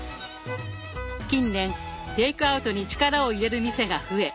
近年テイクアウトに力を入れる店が増え